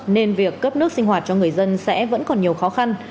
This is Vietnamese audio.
nên việc cấp nước sinh hoạt cho người dân sẽ vẫn còn nhiều khó khăn